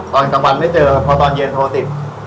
ตอนกลางวันไม่เจอเพราะตอนเย็นโทรติด